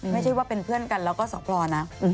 ไม่ใช่ว่าเป็นเพื่อนกันแล้วก็สพนะ